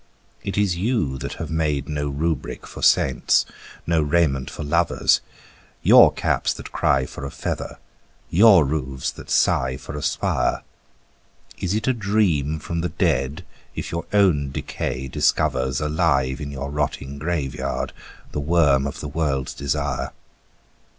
It is you that have made no rubric for saints, no raiment for lovers, Your caps that cry for a feather, your roofs that sigh for a spire: Is it a dream from the dead if your own decay discovers Alive in your rotting graveyard the worm of the world's desire?